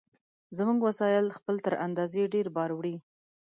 زموږ وسایل خپل تر اندازې ډېر بار وړي.